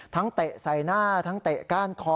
เตะใส่หน้าทั้งเตะก้านคอ